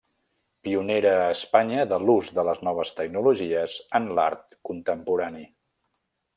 Pionera a Espanya de l'ús de les noves tecnologies en l'art contemporani.